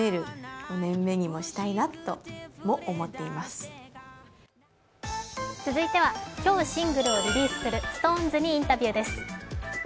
今後は続いては今日シングルをリリースするＳｉｘＴＯＮＥＳにインタビューです。